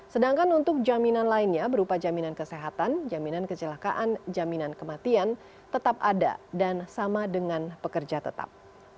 sedangkan untuk jaminan lainnya berupa jaminan kesehatan jaminan kecelakaan jaminan kematian tetap ada dan sama dengan pekerja tetap